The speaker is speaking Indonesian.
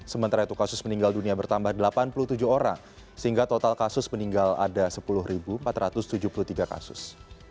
sementara itu kasus meninggal dunia bertambah delapan puluh tujuh orang sehingga total kasus meninggal ada sepuluh empat ratus tujuh puluh tiga kasus